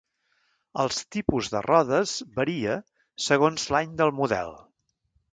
Els tipus de rodes varia segons l'any del model.